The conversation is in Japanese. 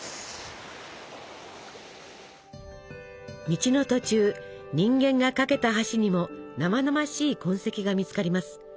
道の途中人間が架けた橋にも生々しい痕跡が見つかります。